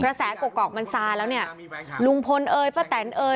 แสกอกมันซาแล้วเนี่ยลุงพลเอ่ยป้าแตนเอย